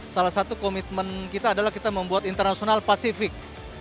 salah satu komitmen kita adalah kita membuat internasional pasifik